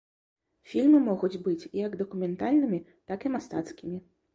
Фільмы могуць быць як дакументальнымі, так і мастацкімі.